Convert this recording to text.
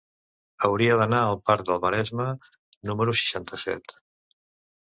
Hauria d'anar al parc del Maresme número seixanta-set.